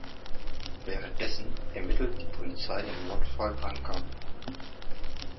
Währenddessen ermittelt die Polizei im Mordfall Hanka.